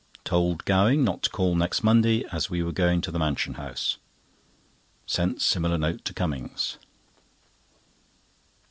Told Gowing not to call next Monday, as we were going to the Mansion House. Sent similar note to Cummings.